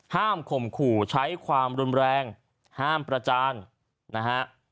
ข่มขู่ใช้ความรุนแรงห้ามประจานนะฮะ